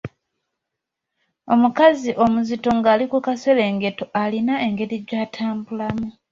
Omukazi omuzito ng’ali ku kaserengeto alina engeri gy’atambulamu.